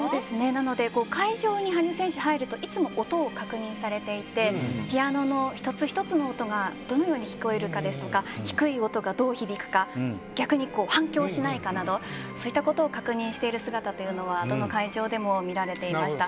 なので会場に羽生選手が入るといつも音を確認されていてピアノの１つ１つの音がどのように聞こえるかですとか低い音がどう響くか逆に反響しないかなどそういったことを確認している姿というのはどの会場でも見られていました。